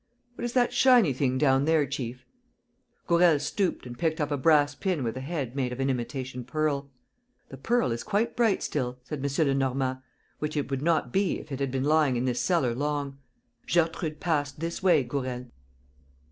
"What is that shiny thing down there, chief?" Gourel stooped and picked up a brass pin with a head made of an imitation pearl. "The pearl is quite bright still," said M. Lenormand, "which it would not be if it had been lying in this cellar long. Gertrude passed this way, Gourel."